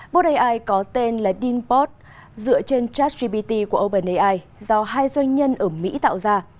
bốt ai có tên là deanbot dựa trên chatsgpt của openai do hai doanh nhân ở mỹ tạo ra